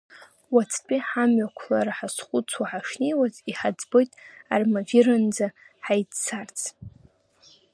Уаҵәтәи ҳамҩақәлара ҳазхәыцуа ҳашнеиуаз, иҳаӡбит Армавирынӡа ҳаиццарц.